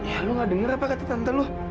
ya lo nggak denger apa kata tante lo